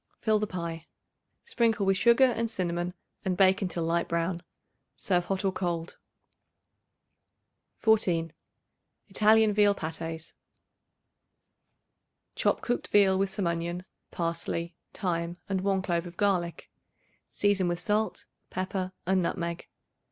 Fill the pie. Sprinkle with sugar and cinnamon and bake until light brown. Serve hot or cold. 14. Italian Veal Patés. Chop cooked veal with some onion, parsley, thyme and 1 clove of garlic; season with salt, pepper and nutmeg.